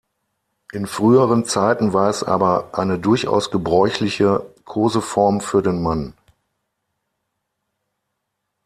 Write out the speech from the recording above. In früheren Zeiten war es aber eine durchaus gebräuchliche Koseform für den Mann.